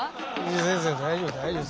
全然大丈夫大丈夫。